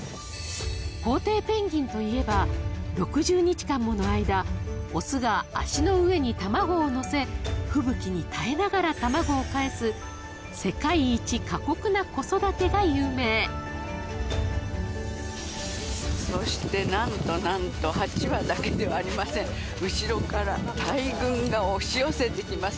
皇帝ペンギンといえば６０日間もの間オスが足の上に卵を乗せ吹雪に耐えながら卵をかえすが有名そして何と何と８羽だけではありません押し寄せてきます